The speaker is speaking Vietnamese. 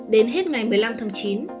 đến hết ngày một mươi năm tháng chín